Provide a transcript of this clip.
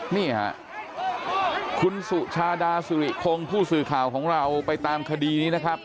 นี่ค่ะคุณสุชาดาสุริคงผู้สื่อข่าวของเราไปตามคดีนี้นะครับ